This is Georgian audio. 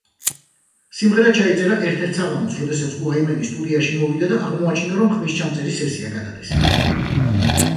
სიმღერა ჩაიწერა ერთ-ერთ საღამოს, როდესაც უაიმენი სტუდიაში მოვიდა და აღმოაჩინა, რომ ხმისჩამწერი სესია გადადეს.